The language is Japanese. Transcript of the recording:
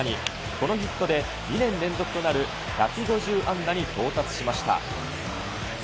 このヒットで２年連続となる１５０安打に到達しました。